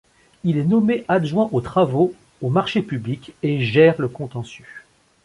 Il est nommé adjoint aux travaux, aux marchés publics et gère le contentieux.